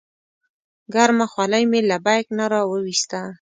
ګرمه خولۍ مې له بیک نه راوویسته.